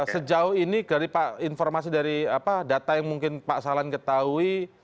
sejauh ini dari pak informasi dari apa data yang mungkin pak salam ketahui